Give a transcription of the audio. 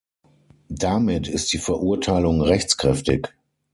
Damit ist die Verurteilung rechtskräftig.